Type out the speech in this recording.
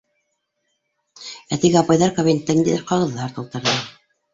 Ә теге апайҙар кабинетта ниндәйҙер ҡағыҙҙар тултырҙы.